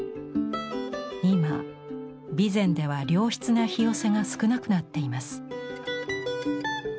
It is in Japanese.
今備前では良質な「ひよせ」が少なくなっています。